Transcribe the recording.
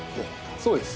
そうです。